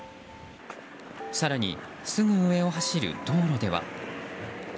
更に、すぐ上を走る道路では。